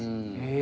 え！